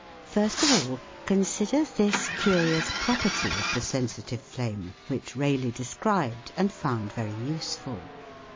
First of all consider this curious property of the sensitive flame which Rayleigh described and found very useful.